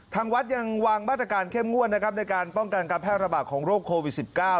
ทางวัดยังวางมาตรการเข้มงวดนะครับในการป้องกันการแพร่ระบาดของโรคโควิด๑๙